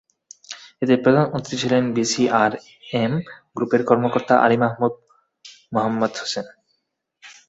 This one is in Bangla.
এতে প্রধান অতিথি ছিলেন বিএসআরএম গ্রুপের কর্মকর্তা আলী মাহবুব মোহাম্মদ হোসেন।